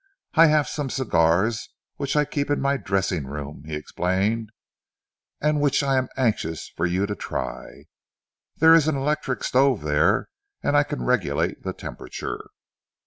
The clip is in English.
"I have some cigars which I keep in my dressing room," he explained, "and which I am anxious for you to try. There is an electric stove there and I can regulate the temperature."